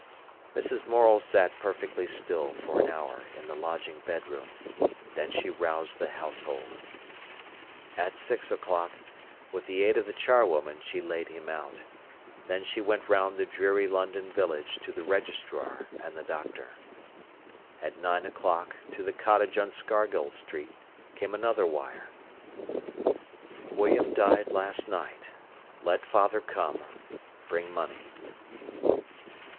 Mrs. Morel sat perfectly still for an hour in the lodging bedroom; then she roused the household. At six o'clock, with the aid of the charwoman, she laid him out; then she went round the dreary London village to the registrar and the doctor. At nine o'clock to the cottage on Scargill Street came another wire: "William died last night. Let father come, bring money."